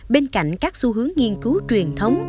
bên cạnh các xu hướng nghiên cứu truyền thống